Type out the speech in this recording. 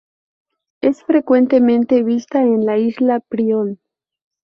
Es frecuentemente vista en la isla Prion.